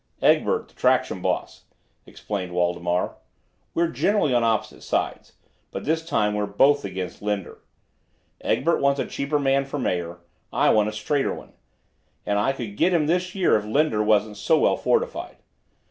"Egbert, the traction boss," explained Waldemar. "We're generally on opposite sides, but this time we're both against Linder. Egbert wants a cheaper man for mayor. I want a straighter one. And I could get him this year if Linder wasn't so well fortified.